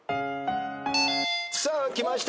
さあきました